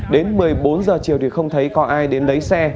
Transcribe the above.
đến một mươi bốn giờ chiều thì không thấy có ai đến lấy xe